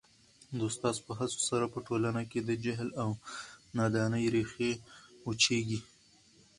د استاد په هڅو سره په ټولنه کي د جهل او نادانۍ ریښې وچیږي.